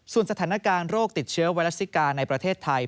สถานการณ์โรคติดเชื้อไวรัสซิกาในประเทศไทย